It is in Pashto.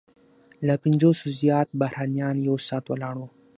له پنځوسو زیات بهرنیان یو ساعت ولاړ وو.